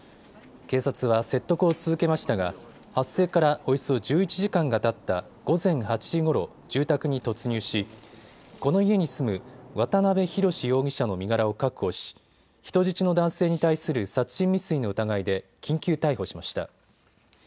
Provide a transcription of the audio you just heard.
警察は説得を続けましたが発生からおよそ１１時間がたった午前８時ごろ住宅に突入し、この家に住む渡邊宏容疑者の身柄を確保し人質の男性に対する殺人未遂の疑いで緊急逮捕しました。